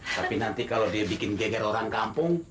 tapi nanti kalau dia bikin geger orang kampung